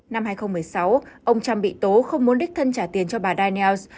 năm hai nghìn một mươi sáu ông trump bị tố không muốn đích thân trả tiền cho bà dinels